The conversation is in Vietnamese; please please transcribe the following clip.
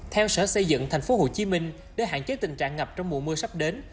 theo sở xây dựng thành phố hồ chí minh để hạn chế tình trạng ngập trong mùa mưa sắp đến